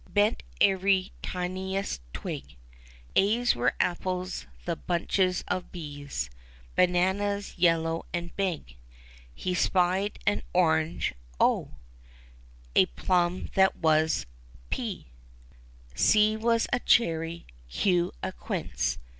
Bent every tiniest twig; A's were apples, the bunches of B's Bananas yellow and big ; He spied an orange — 0; A plum, and that was P ; C was a cherry, Q a quince.